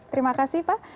terima kasih pak